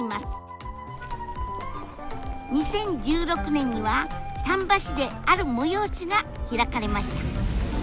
２０１６年には丹波市である催しが開かれました。